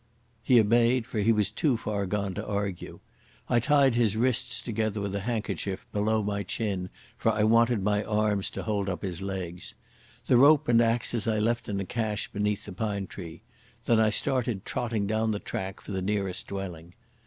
He obeyed, for he was too far gone to argue. I tied his wrists together with a handkerchief below my chin, for I wanted my arms to hold up his legs. The rope and axes I left in a cache beneath the pine tree. Then I started trotting down the track for the nearest dwelling.